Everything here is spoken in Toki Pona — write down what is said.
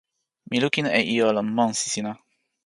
mi lukin e ijo lon monsi sina.